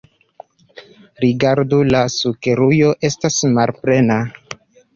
Rigardu, la sukerujo estas malplena.